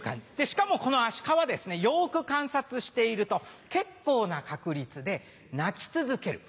しかもこのアシカはよく観察していると結構な確率で鳴き続ける。